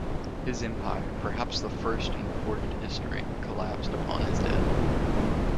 His empire, perhaps the first in recorded history, collapsed upon his death.